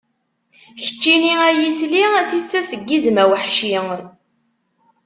Keččini ay isli, tissas n yizem aweḥci.